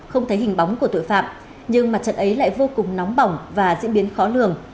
không thấy hình bóng của tội phạm nhưng mặt trận ấy lại vô cùng nóng bỏng và diễn biến khó lường